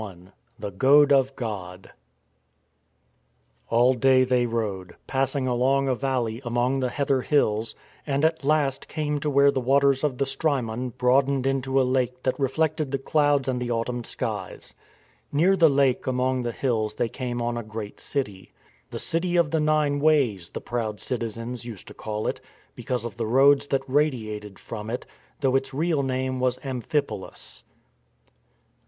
XXI THE GOAD OF GOD 4 LL day they rode, passing along a valley among r\ the heather hills, and at last came to where the waters of the Strymon broadened into a lake that reflected the clouds and the autumn skies. Near the lake among the hills they came on a great city. The City of the Nine Ways, the proud citizens used to call it because of the roads that radiated from it, though its real name was Amphipolis.